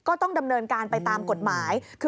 โยต้องกล้าภาษณ์อยากให้คุณผู้ชมได้ฟัง